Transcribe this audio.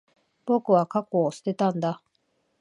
僕は、過去を捨てたんだ。